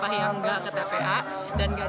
dan nggak dibanggar